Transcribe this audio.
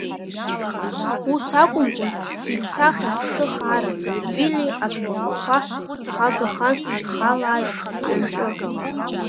Ус акәымкәан сиԥсахызар са сыхаара, Вилли, Ацәқәырԥақәа хагахан ихалааит ҵәҩанҵәы.